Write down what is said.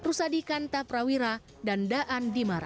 terus dikantap rawira dan daan dimara